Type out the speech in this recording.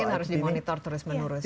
mungkin harus di monitor terus menurus